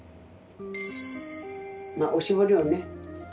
まあおしぼりをね